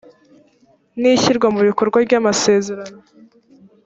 n ishyirwa mu bikorwa ry amasezerano